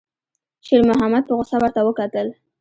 شېرمحمد په غوسه ورته وکتل.